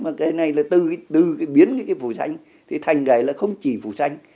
mà cái này là tư biến cái phủ xanh thì thành gầy là không chỉ phủ xanh